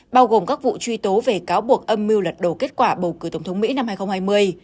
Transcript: bao gồm các vụ truy tố về cáo buộc âm mưu lật đổ kết quả bầu cử tổng thống mỹ năm hai nghìn hai mươi